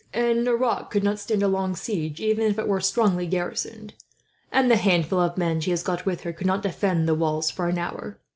"And Nerac could not stand a long siege, even if it were strongly garrisoned; and the handful of men she has got with her could not defend the walls for an hour.